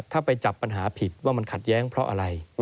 ถ้าไปจับปัญหาผิดว่ามันขัดแย้งเพราะอะไร